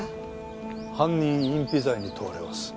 犯人隠避罪に問われます。